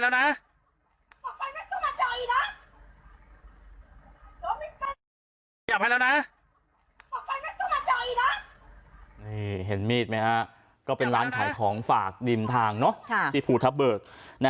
นี่เห็นมีดไหมฮะก็เป็นร้านขายของฝากริมทางที่ภูทับเบิก